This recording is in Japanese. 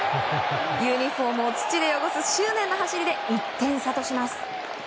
ユニホームを土で汚す執念の走りで１点差とします。